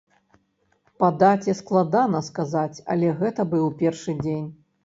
Па даце складана сказаць, але гэта быў першы дзень.